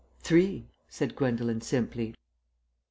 "Three," said Gwendolen simply.